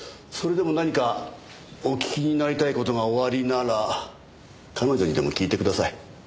それでも何かお聞きになりたい事がおありなら彼女にでも聞いてください。